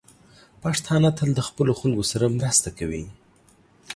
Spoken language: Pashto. پښتانه تل د خپلو خلکو سره مرسته کوي.